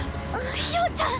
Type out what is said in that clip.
⁉陽ちゃん